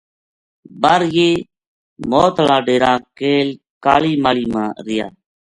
بر یہ موت ہالا ڈیرا کیل کالی ماہلی ما رہیا